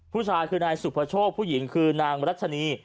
ผู้ชายคือนายสุภโชคผู้หญิงคือนางรัชนี